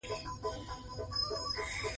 طبیعي زیرمې د افغانستان د ځایي اقتصادونو بنسټ دی.